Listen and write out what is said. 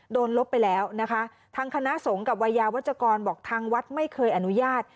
ลบไปแล้วนะคะทางคณะสงฆ์กับวัยยาวัชกรบอกทางวัดไม่เคยอนุญาต